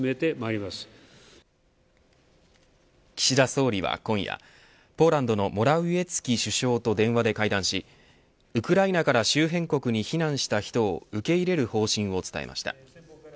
岸田総理は今夜ポーランドのモラウィエツキ首相と電話で会談しウクライナから周辺国に避難した人を受け入れる方針を伝えました。